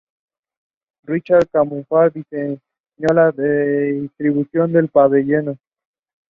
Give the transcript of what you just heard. Richard Kaufmann diseño la distribución de los pabellones.